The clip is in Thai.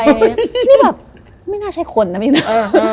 นี่แบบไม่น่าใช่คนนะพี่นะ